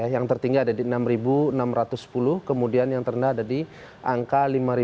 yang tertinggi ada di enam enam ratus sepuluh kemudian yang terendah ada di angka lima